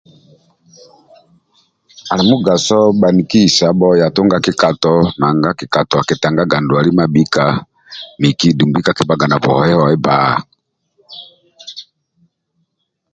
Ali mugaso bhaniki isabho ya tunga bikato nanga bikato akitangaga ndwali mabhika miki dumbi kakibhaga na buhoehoe bba